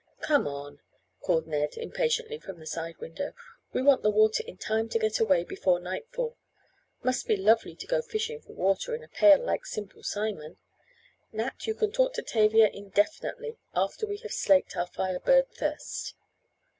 "Come on," called Ned, impatiently from the side window. "We want the water in time to get away before nightfall. Must be lovely to go fishing for water in a pail like Simple Simon. Nat, you can talk to Tavia indefinitely after we have slaked our 'Fire Bird' thirst."